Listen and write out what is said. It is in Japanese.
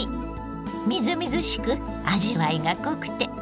みずみずしく味わいが濃くて栄養も満点！